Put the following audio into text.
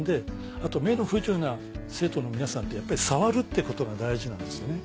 あと目の不自由な生徒の皆さんってやっぱり触るっていうことが大事なんですよね。